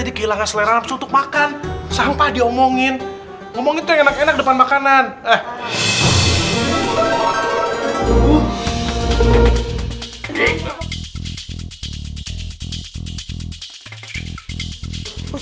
di kehilangan selera untuk makan sampah diomongin ngomongin enak enak depan makanan eh